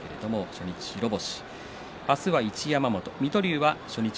初日、白星。